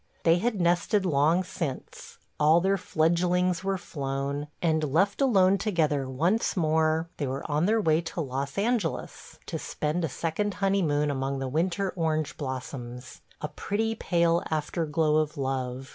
They had nested long since; all their fledglings were flown, and, left alone together once more, they were on their way to Los Angeles to spend a second honeymoon among the winter orange blossoms: a pretty pale afterglow of love.